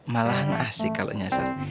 malah nasik kalau nyasar